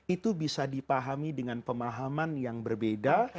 itu bisa dipahami dengan pemahaman yang berbeda